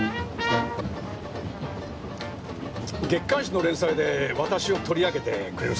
月刊誌の連載で私を取り上げてくれるそうですね？